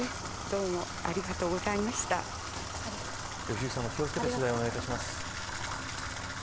良幸さんも気を付けて取材お願いします。